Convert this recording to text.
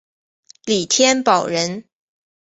李添保人。